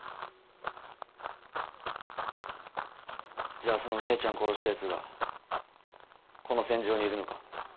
じゃあその姉ちゃん殺した奴がこの戦場にいるのか？